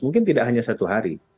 mungkin tidak hanya satu hari